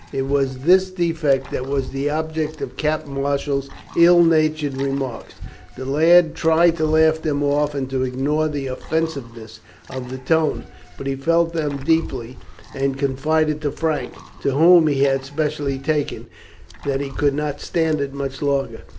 It was this defect that was the object of Captain Marshall's ill natured remarks. The lad tried to laugh them off and to ignore the offensiveness of the tone, but he felt them deeply, and confided to Frank to whom he had specially taken that he could not stand it much longer.